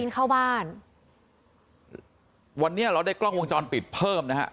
เข้าบ้านวันนี้เราได้กล้องวงจรปิดเพิ่มนะฮะ